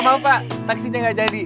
maaf pak maksinya gak jadi